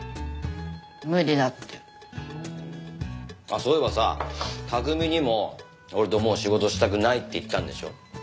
そういえばさ拓海にも俺ともう仕事したくないって言ったんでしょ？